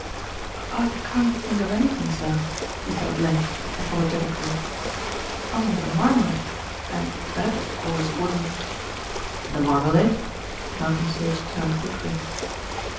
"I can't think of anything, sir," he said at length, apologetically, "only the marmalade, and that, of course, wouldn't " "The marmalade?" Malcolm Sage turned quickly.